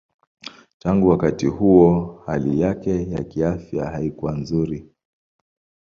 Tangu wakati huo hali yake ya kiafya haikuwa nzuri.